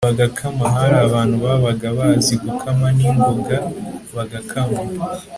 bagakama Hari abantu babaga bazi gukama ningoga bagakama